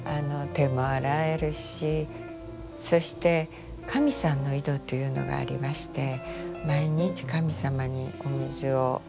そして「神さんの井戸」というのがありまして毎日神様にお水を差し上げますよね。